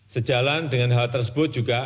sejalan dengan hal tersebut juga